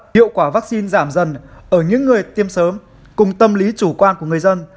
hiệu quả vaccine giảm dần ở những người tiêm sớm cùng tâm lý chủ quan của người dân